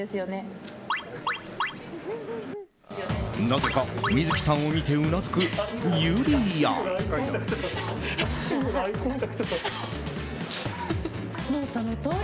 なぜか観月さんを見てうなずくゆりやん。